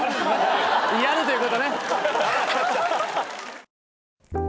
やるということね。